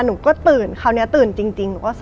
หนูก็ตื่นคราวนี้ตื่นจริง